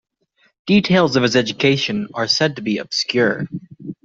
Details of his education are said to be 'obscure'.